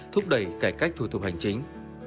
thúc đẩy cải cách thủ tục hành chính